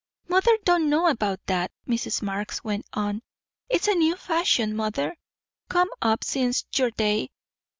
"Mother don't know about that," Mrs. Marx went on. "It's a new fashion, mother, come up since your day.